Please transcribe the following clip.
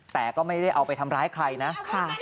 แต่ก็ไม่ได้เอาไปทำร้ายใครนะ